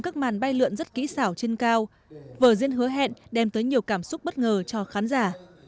các màn bay lượn rất kỹ xảo trên cao vở diễn hứa hẹn đem tới nhiều cảm xúc bất ngờ cho khán giả